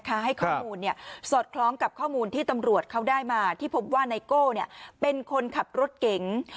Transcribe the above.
ไปรับค่ะแต่ว่าตามทางไม่ได้กลับบ้าน